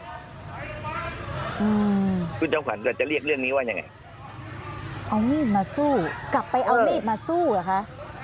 คุณจอมขวัญก่อนจะเรียกเรื่องนี้ว่ายังไงเอามีดมาสู้กลับไปเอามีดมาสู้เหรอคะ